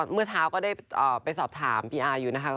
เมื่อเช้าก็ได้ไปสอบถามพี่อาอยู่นะคะ